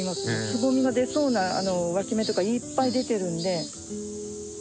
つぼみが出そうなわき芽とかいっぱい出てるんで。